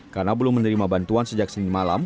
karena belum menerima bantuan sejak sini malam